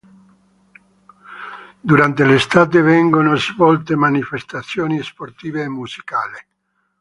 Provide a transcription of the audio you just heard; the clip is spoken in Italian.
Durante l'estate vengono svolte manifestazioni sportive e musicali.